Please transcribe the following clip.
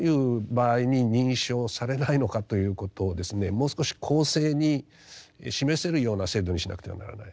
もう少し公正に示せるような制度にしなくてはならない。